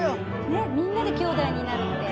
ねっみんなで兄弟になるって。